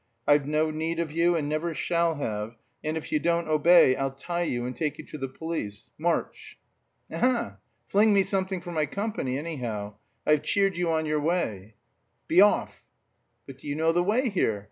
I've no need of you, and never shall have, and if you don't obey, I'll tie you and take you to the police. March!" "Eh heh! Fling me something for my company, anyhow. I've cheered you on your way." "Be off!" "But do you know the way here?